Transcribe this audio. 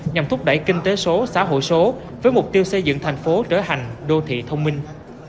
nhằm thúc đẩy kinh tế số xã hội số với mục tiêu xây dựng thành phố trở hành đô thị thông minh